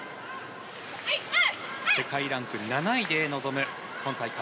世界ランク７位で臨む今大会。